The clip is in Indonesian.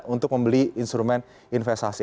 untuk membeli instrumen investasi